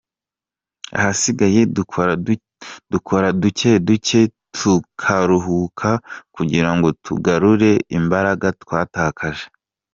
Ahasigaye dukora duke duke tukaruhuka kugira ngo tugarure imbaraga twatakaje.